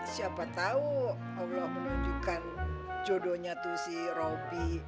siapa tau allah menunjukkan jodonya tuh si robi